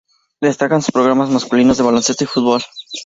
Destacan sus programas masculinos de baloncesto y fútbol.